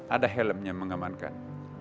ada helmnya mengamankan